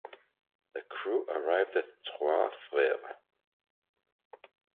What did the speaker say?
The crew arrived at Trois Freres.